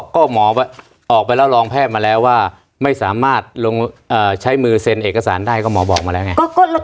ก็หมอออกไปแล้วรองแพทย์มาแล้วว่าไม่สามารถลงใช้มือเซ็นเอกสารได้ก็หมอบอกมาแล้วไง